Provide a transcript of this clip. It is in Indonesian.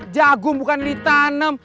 jagung bukan ditanam